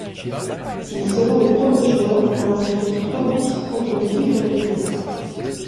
Il sera le premier joueur à inscrire trois buts contre l'équipe d'Angleterre.